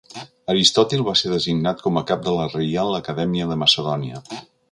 Aristòtil va ser designat com a cap de la Reial Acadèmia de Macedònia.